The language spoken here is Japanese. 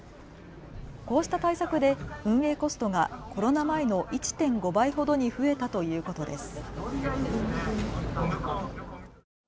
こうした対策で運営コストがコロナ前の１．５倍ほどに増えたということです。